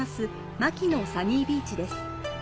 マキノサニービーチです。